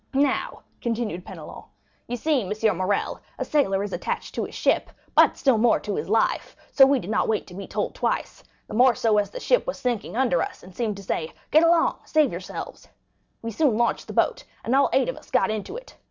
Now," continued Penelon, "you see, M. Morrel, a sailor is attached to his ship, but still more to his life, so we did not wait to be told twice; the more so, that the ship was sinking under us, and seemed to say, 'Get along—save yourselves.' We soon launched the boat, and all eight of us got into it.